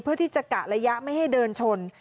เพื่อที่จะกะระยะไม่ให้เดินชน